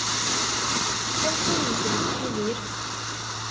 Amek ay yeslek Yidir?